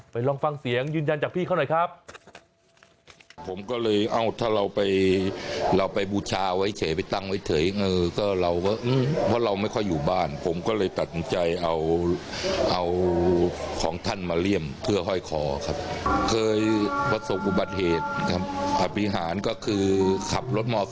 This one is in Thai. ลองฟังเสียงยืนยันจากพี่เขาหน่อยครับ